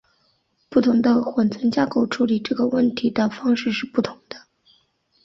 不同的缓存架构处理这个问题的方式是不同的。